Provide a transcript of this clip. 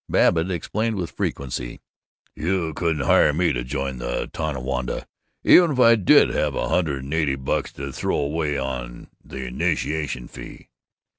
Babbitt explained with frequency, "You couldn't hire me to join the Tonawanda, even if I did have a hundred and eighty bucks to throw away on the initiation fee.